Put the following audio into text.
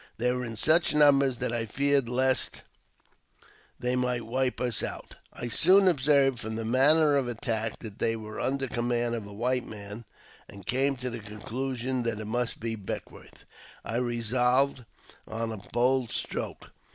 They were in such numbers that I feared lest they might wipe us out. " I soon observed, from their manner of attack, that they were under command of a white man, and came to the conclusion that it must be Beckwourth. I resolved on a bold stroke.